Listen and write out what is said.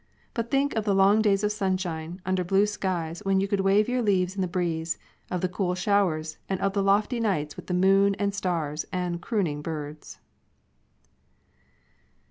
But think of the long days of sunshine, under blue skies, when you could wave your leaves in the breeze ; of the cool showers, and of the lovely nights with the moon and stars and crooning birds.